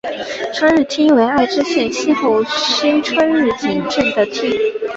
春日町为爱知县西部西春日井郡的町。